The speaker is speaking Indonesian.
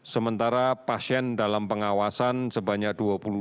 sementara pasien dalam pengawasan sebanyak dua belas sembilan ratus sembilan puluh sembilan